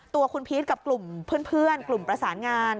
ตัวคุณพีชกับกลุ่มเพื่อนกลุ่มประสานงาน